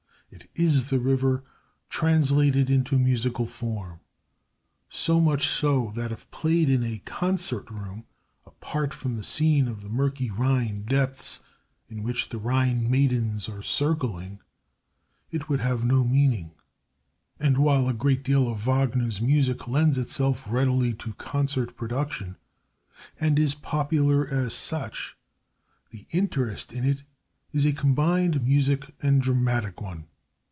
It is the river translated into musical form so much so that if played in a concert room apart from the scene of the murky Rhine depths, in which the Rhine Maidens are circling, it would have no meaning. And while a great deal of Wagner's music lends itself readily to concert production, and is popular as such, the interest in it is a combined music and dramatic one.